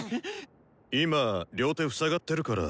今両手塞がってるから。